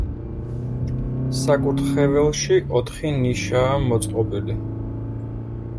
საკურთხეველში ოთხი ნიშაა მოწყობილი.